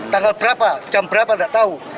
tanggal berapa jam berapa tidak tahu